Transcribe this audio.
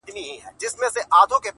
• زلمي کلونه د زمان پر ګوتو ورغړېدل ,